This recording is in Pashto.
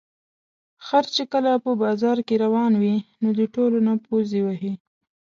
خر چې کله په بازار کې روان وي، نو د ټولو نه پوزې وهي.